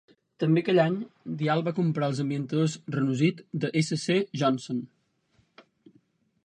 També aquell any, Dial va comprar els ambientadors Renuzit de S.C. Johnson.